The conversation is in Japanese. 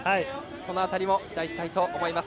その辺りも期待したいと思います。